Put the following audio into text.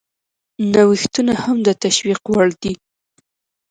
نوښتونه هم د تشویق وړ دي.